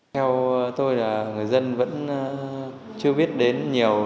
theo tôi là người dân vẫn chưa biết đến nhiều